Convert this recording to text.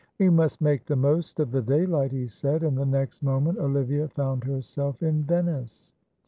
"We must make the most of the daylight," he said, and the next moment Olivia found herself in Venice.